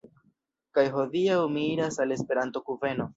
Kaj hodiaŭ mi iras al Esperanto-kuveno.